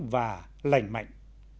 và lành mạnh